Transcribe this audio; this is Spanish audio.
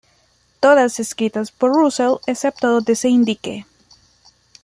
Todas escritas por Russell, excepto donde se indique.